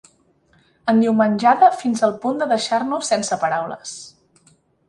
Endiumenjada fins al punt de deixar-nos sense paraules.